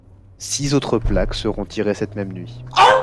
Six autres plaques seront tirées cette même nuit.